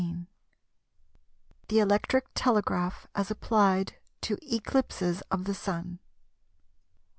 THE ELECTRIC TELEGRAPH AS APPLIED TO ECLIPSES OF THE SUN.